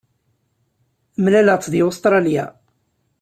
Mlaleɣ-tt deg Ustṛalya.